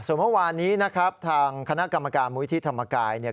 ส่วนเมื่อวานนี้นะครับทางคณะกรรมการมุยที่ธรรมกายเนี่ย